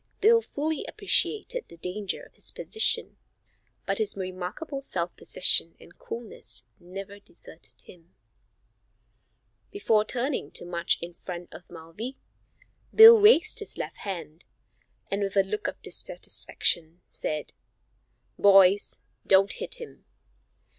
Bill fully appreciated the danger of his position, but his remarkable self possession and coolness never deserted him. Before turning to march in front of Mulvey, Bill raised his left hand, and with a look of dissatisfaction, said: "Boys, don't hit him."